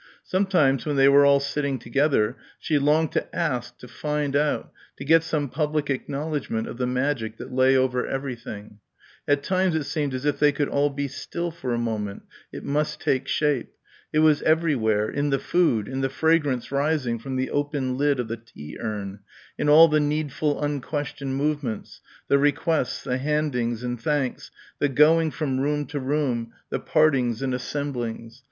Sometimes when they were all sitting together she longed to ask, to find out, to get some public acknowledgment of the magic that lay over everything. At times it seemed as if could they all be still for a moment it must take shape. It was everywhere, in the food, in the fragrance rising from the opened lid of the tea urn, in all the needful unquestioned movements, the requests, the handings and thanks, the going from room to room, the partings and assemblings.